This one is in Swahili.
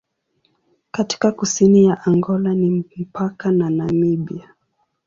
Katika kusini ya Angola ni mpaka na Namibia.